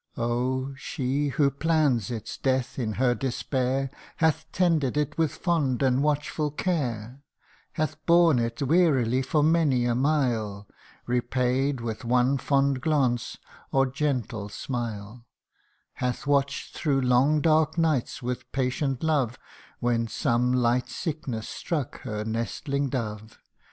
Oh ! she who plans its death in her despair, Hath tended it with fond and watchful care ; Hath borne it wearily for many a mile, Repaid with one fond glance, or gentle smile : Hath watch 'd through long dark nights with patient love, When some light sickness struck her nestling dove ; 92 THE UNDYING ONE.